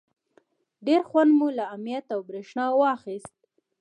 ډېر خوند مو له امنیت او برېښنا واخیست.